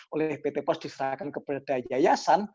oleh pt pos diserahkan kepada yayasan